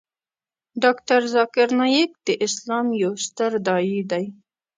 ډاکتر ذاکر نایک د اسلام یو ستر داعی دی .